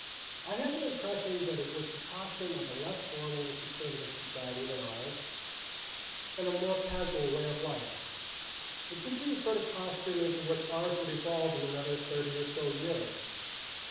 I had the impression that it was the costume of a less formal and conservative society than ours and a more casual way of life. It could be the sort of costume into which ours would evolve in another thirty or so years.